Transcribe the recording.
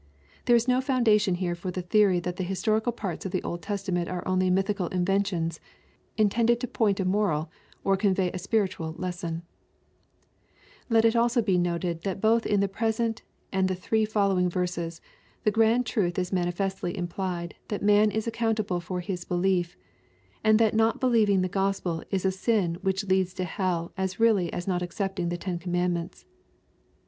There is no foundation here for the theory that the historical parts of the Old Testament are only mythicsd inventions, intended to point a moral, or convey a spiritusJ lesson* Let it also be noted, that both in the present and the three fol lowing verses, the grand truth is manifestly impUed that man is accountable for his belief, and that not believing the Gospel is a sin which leads to hell as really as not keeping the ten command ments.